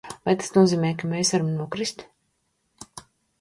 Vai tas nozīmē, ka mēs varam nokrist?